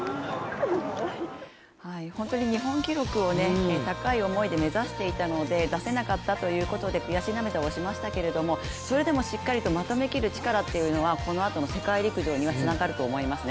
本当に日本記録を高い思いで目指していたので出せなかったということで悔し涙はしましたけれどもそれでもしっかりとまとめきる力というのは、このあとの世界陸上にはつながると思いますね。